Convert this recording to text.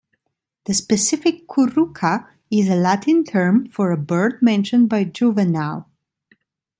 The specific "curruca" is a Latin term for a bird mentioned by Juvenal.